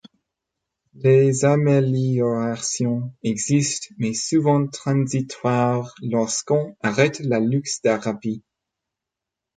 Les améliorations existent, mais souvent transitoires lorsqu'on arrête la luxthérapie.